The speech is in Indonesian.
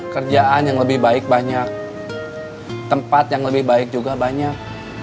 kerjaan yang lebih baik banyak tempat yang lebih baik juga banyak